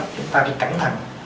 chúng ta phải cẩn thận